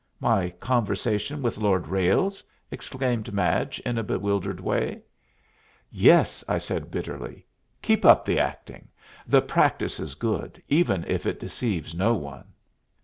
"My conversation with Lord Ralles?" exclaimed Madge, in a bewildered way. "Yes," I said bitterly, "keep up the acting. The practice is good, even if it deceives no one."